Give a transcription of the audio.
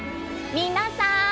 皆さん！